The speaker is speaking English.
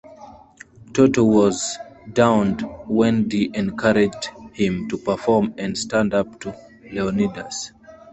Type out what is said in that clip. Toto was downed when Di encouraged him to perform and stand up to Leonidas.